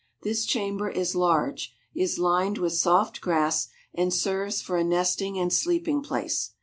This chamber is large, is lined with soft grass, and serves for a nesting and sleeping place.